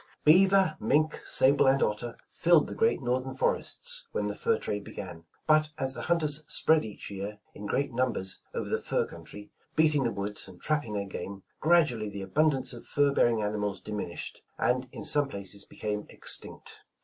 Beaver, mink, sable and otter filled the great North ern forests when the fur trade began, but as the hunt ers spread each year in great numbers over the fur country, beating the woods, and trapping their game, gradually the abundance of fur bearing animals dimin ished, and in some places became extinct.